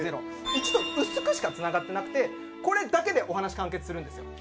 『Ⅰ』と薄くしかつながってなくてこれだけでお話完結するんですよ。